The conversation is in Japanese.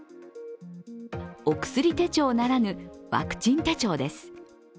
お薬手帳ならぬワクチン手帳です。